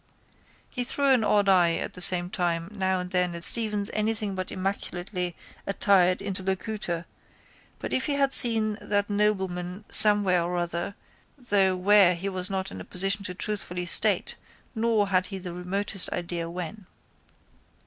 He threw an odd eye at the same time now and then at Stephen's anything but immaculately attired interlocutor as if he had seen that nobleman somewhere or other though where he was not in a position to truthfully state nor had he the remotest idea when.